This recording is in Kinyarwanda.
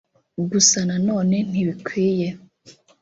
Gusa na none ntibikwiye